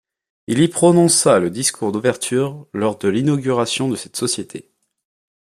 Il y prononça le discours d'ouverture lors de l'inauguration de cette société.